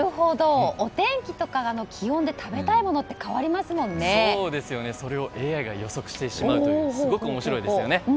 お天気や気温で食べたいものってそれをＡＩが予測してしまうのはすごく面白いですよね。